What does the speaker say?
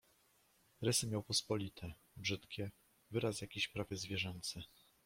"Rysy miał pospolite, brzydkie, wyraz jakiś prawie zwierzęcy."